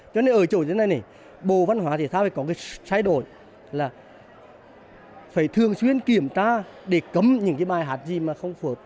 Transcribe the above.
cho nên ở chỗ như thế này này bộ văn hóa thể thao có cái sai đổi là phải thường xuyên kiểm tra để cấm những bài hát gì mà không phục